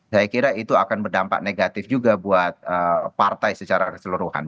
saya kira itu akan berdampak negatif juga buat partai secara keseluruhan